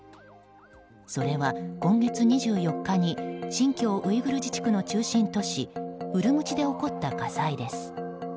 それは、今月２４日に新疆ウイグル自治区の中心都市ウルムチで起こった火災です。